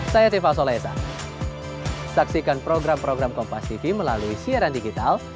saya tiffa solesa saksikan program program kompastv melalui siaran digital